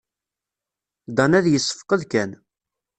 Dan ad yessefqed kan.